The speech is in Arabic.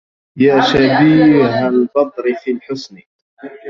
يا شبيه البدرِ في الحسن